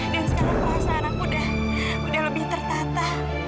dan sekarang perasaan aku udah udah lebih tertata